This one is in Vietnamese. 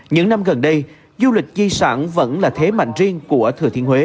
những năm gần đây du lịch di sản vẫn là thiết